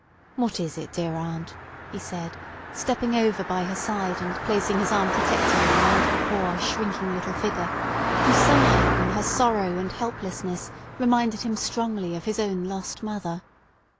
"What is it, dear aunt?" he said, stepping over by her side, and placing his arm protectingly round the poor, shrinking little figure, who somehow in her sorrow and helplessness reminded him strongly of his own lost mother.